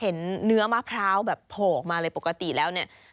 เห็นเนื้อมะพร้าวแบบโผล่ออกมาเลยปกติแล้วเนี่ย